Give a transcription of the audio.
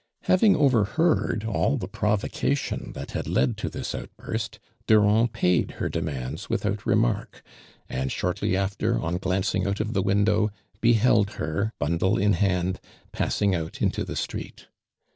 Having overheard all tho provocation that had led to this out burst, Durand paid her demands without remark, and shortly after on glancing out of the window, beheld her, bundle in hand, passmg out into the street.